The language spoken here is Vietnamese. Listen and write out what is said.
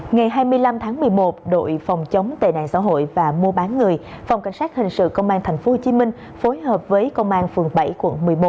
ngày hai mươi năm tháng một mươi một đội phòng chống tệ nạn xã hội và mua bán người phòng cảnh sát hình sự công an tp hcm phối hợp với công an phường bảy quận một mươi bốn